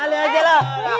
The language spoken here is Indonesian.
ale aja lah